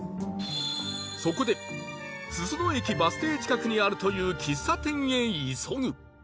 そこで裾野駅バス停近くにあるという喫茶店へ急ぐ